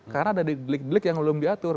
karena ada delik delik yang belum diatur